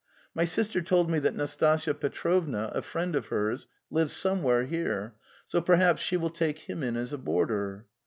My sister told me that Nastasya Petrovna, a friend of hers, lives somewhere here, so perhaps she will take him in as a boarder."